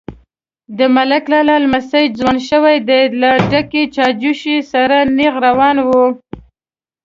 _د ملک لالا لمسی ځوان شوی دی، له ډکې چايجوشې سره نيغ روان و.